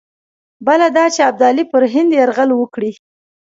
بله دا چې ابدالي پر هند یرغل وکړي.